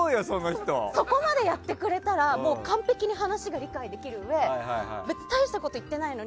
そこまでやってくれたら完璧に話が理解できるうえ大したこと言ってないのに